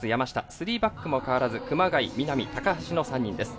３バックも変わらず熊谷、南、高橋の３人です。